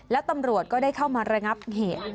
และตำรวจก็ได้เข้ามาระงับเหตุ